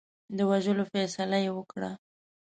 د وژلو فیصله یې وکړه.